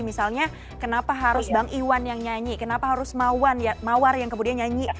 misalnya kenapa harus bang iwan yang nyanyi kenapa harus mawan ya mawar yang kemudian nyanyi